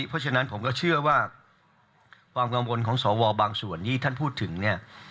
เพราะฉะนั้นผมก็เชื่อว่าความกังวลของสวบางส่วนที่ท่านพูดถึงเนี่ย